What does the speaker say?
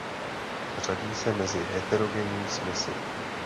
Řadí se mezi heterogenní směsi.